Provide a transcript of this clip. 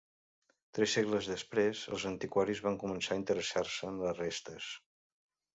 Tres segles després, els antiquaris van començar a interessar-se en les restes.